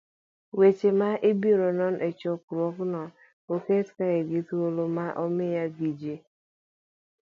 Weche ma ibiro non e chokruogno oket kae gi thuolo ma omiya gi ji